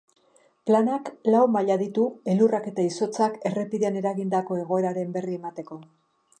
Planak lau maila ditu elurrak eta izotzak errepidean eragindako egoeraren berri emateko.